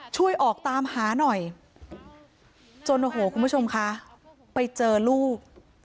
ช่วยออกตามหาหน่อยจนโอ้โหคุณผู้ชมคะไปเจอลูก